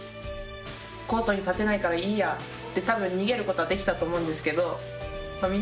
「コートに立てないからいいや」って多分逃げる事はできたと思うんですけどま